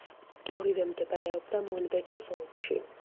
ორივე მდებარეობდა მონბეცუს ოლქში.